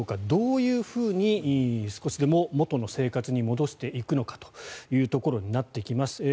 どういうふうに少しでも元の生活に戻していくのかというところになってきます。